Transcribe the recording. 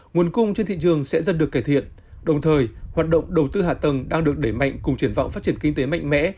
nguồn cung trên thị trường sẽ dần được cải thiện đồng thời hoạt động đầu tư hạ tầng đang được đẩy mạnh cùng triển vọng phát triển kinh tế mạnh mẽ